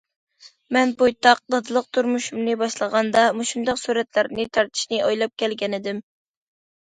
مەن بويتاق دادىلىق تۇرمۇشۇمنى باشلىغاندا، مۇشۇنداق سۈرەتلەرنى تارتىشنى ئويلاپ كەلگەنىدىم.